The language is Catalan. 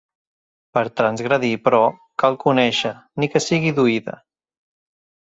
Per transgredir, però, cal conèixer, ni que sigui d'oïda.